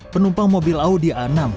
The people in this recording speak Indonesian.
penumpang mobil audi a enam